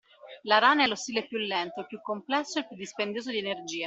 La rana è lo stile più lento, il più complesso e il più dispendioso di energie.